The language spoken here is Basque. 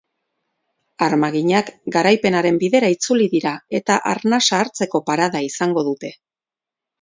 Armaginak garaipenaren bidera itzuli dira eta arnasa hartzeko parada izango dute.